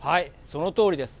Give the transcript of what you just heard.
そのとおりです。